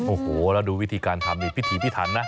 โอ้โหแล้วดูวิธีการทำนี่พิธีพิถันนะ